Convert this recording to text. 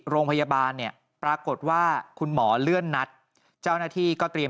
โรงพยาบาลเนี่ยปรากฏว่าคุณหมอเลื่อนนัดเจ้าหน้าที่ก็เตรียม